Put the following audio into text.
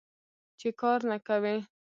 چې کار نه کوې.